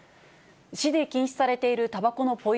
市で禁止されているたばこのポイ